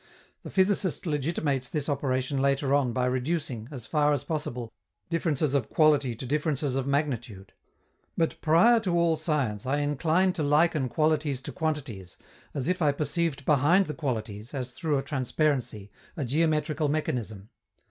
The physicist legitimates this operation later on by reducing, as far as possible, differences of quality to differences of magnitude; but, prior to all science, I incline to liken qualities to quantities, as if I perceived behind the qualities, as through a transparency, a geometrical mechanism.